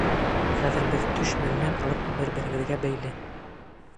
Хәҙер беҙ төш мәленән алып бер-беребеҙгә бәйле.